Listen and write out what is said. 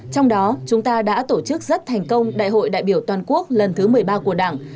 trong đó chúng ta đã tổ chức rất thành công đại hội đại biểu toàn quốc lần thứ một mươi ba của đảng